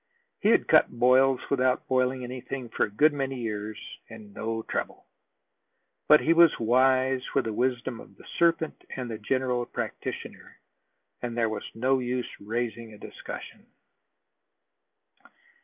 He had cut boils without boiling anything for a good many years, and no trouble. But he was wise with the wisdom of the serpent and the general practitioner, and there was no use raising a discussion.